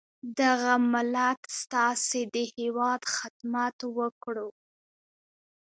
دغه ملت ستاسي د هیواد خدمت وکړو.